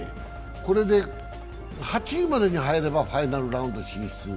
これで８位までに入ればファイナルラウンド進出。